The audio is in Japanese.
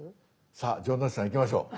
さあ城之内さんいきましょう。